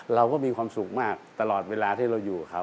เราก็มีความสุขมากตลอดเวลาที่เราอยู่กับเขา